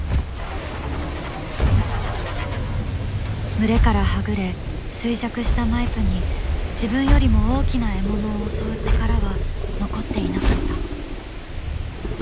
群れからはぐれ衰弱したマイプに自分よりも大きな獲物を襲う力は残っていなかった。